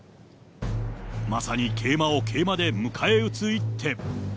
まさに桂馬を桂馬で迎え撃つ一手。